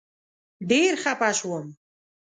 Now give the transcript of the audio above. ډېر خپه شوم.